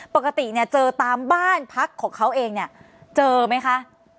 ปกติเจอตามบ้านพักของเขาเองเจอไหมคะ